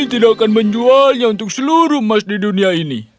tidak akan menjualnya untuk seluruh emas di dunia ini